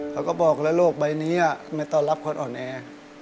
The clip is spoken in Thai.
เขาก็บอกละโลกใบนี้อ่ะไม่ต้องรับคนอ่อนแอ